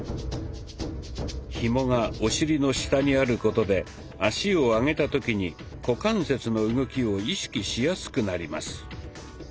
ひもがお尻の下にあることで足を上げた時に股関節の動きを意識しやすくなります。